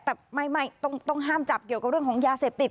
แต่ไม่ต้องห้ามจับเกี่ยวกับเรื่องของยาเสพติด